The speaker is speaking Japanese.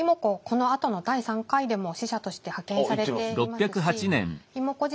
このあとの第３回でも使者として派遣されていますし妹子